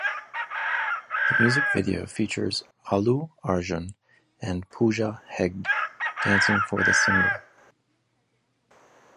The music video features Allu Arjun and Pooja Hegde dancing for the single.